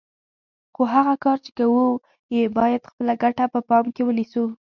خو هغه کار چې کوو یې باید خپله ګټه په پام کې ونه نیسو.